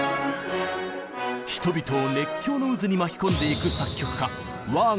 人々を熱狂の渦に巻き込んでいく作曲家あ